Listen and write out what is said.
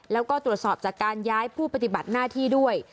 แล้วก็ตรวจสอบจากการย้ายผู้ปฏิบัติหน้าที่ด้วย